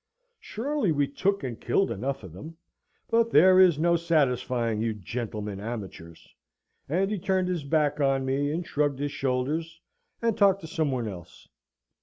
Surely we took and killed enough of them; but there is no satisfying you gentlemen amateurs!" and he turned his back on me, and shrugged his shoulders, and talked to some one else.